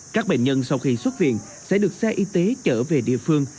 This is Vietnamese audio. các bệnh nhân sau khi xuất viện sẽ được xe y tế trở về địa phương